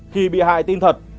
khi bị hại tin thật